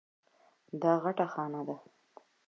دا غټه خانه ده.